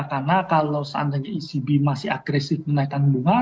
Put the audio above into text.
karena kalau seandainya ecb masih agresif menaikan bunga